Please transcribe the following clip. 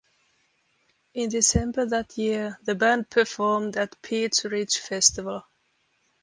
In December that year, the band performed at Peats Ridge Festival.